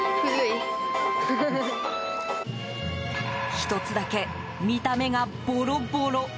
１つだけ見た目がボロボロ。